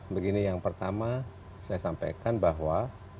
begini yang pertama saya sampaikan bahwa